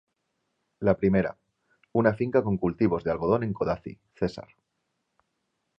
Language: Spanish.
La primera: una finca con cultivos de algodón en Codazzi, Cesar.